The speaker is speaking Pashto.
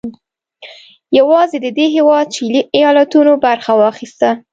یوازې د دې هېواد شلي ایالتونو برخه واخیسته.